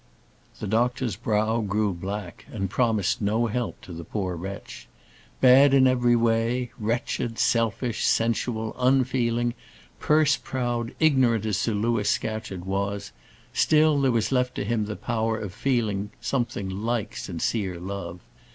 The doctor's brow grew black, and promised no help to the poor wretch. Bad in every way, wretched, selfish, sensual, unfeeling, purse proud, ignorant as Sir Louis Scatcherd was, still, there was left to him the power of feeling something like sincere love.